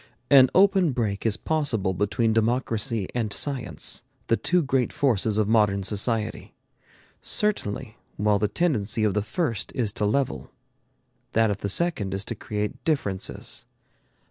An open break is possible between democracy and science, the two great forces of modern society. Certainly while the tendency of the first is to level, that of the second is to create differences.